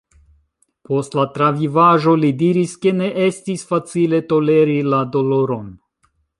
Post la travivaĵo, li diris, ke ne estis facile toleri la doloron.